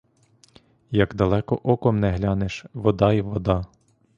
Як далеко оком не глянеш — вода й вода.